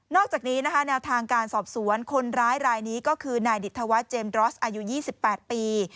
นอกจากนี้แนวทางการสอบสวนคนร้ายรายนี้ก็คือหน่ายดิทวะเจมส์ดรอสอายุ๒๘ปี